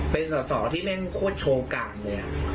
เป็นสตที่แม่งโคตรโชว์ก่างเลยอะ